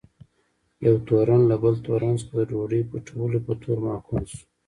یو تورن له بل تورن څخه د ډوډۍ پټولو په تور محکوم شو.